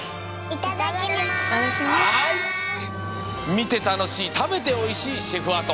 みてたのしいたべておいしいシェフアート！